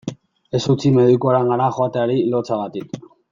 Ez utzi medikuarengana joateari lotsagatik.